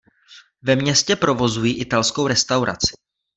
Ve městě provozují italskou restauraci.